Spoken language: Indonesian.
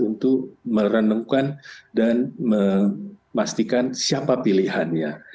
untuk merenungkan dan memastikan siapa pilihannya